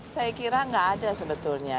saya kira nggak ada sebetulnya